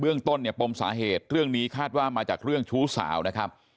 เรื่องต้นเนี่ยปมสาเหตุเรื่องนี้คาดว่ามาจากเรื่องชู้สาวนะครับ